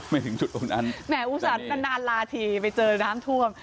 แมะอุศัทรประดานลาภีไปเจอน้ำทวม